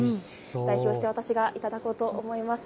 代表して私がいただこうと思います。